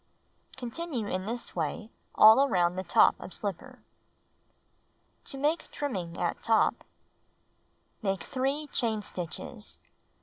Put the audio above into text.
Continue in this way all around top of slipper. To Make Trimming at Top Make 3 chain stitches.